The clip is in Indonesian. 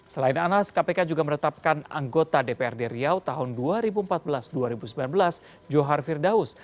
selain anas kpk juga menetapkan anggota dprd riau tahun dua ribu empat belas dua ribu sembilan belas johar firdaus